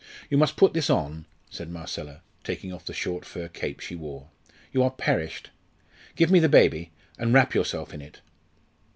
"You must put this on," said Marcella, taking off the short fur cape she wore. "You are perished. Give me the baby, and wrap yourself in it."